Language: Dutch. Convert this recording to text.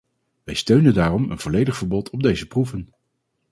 We steunen daarom een volledig verbod op deze proeven.